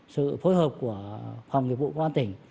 sự phối hợp của phòng nghiệp vụ quán tỉnh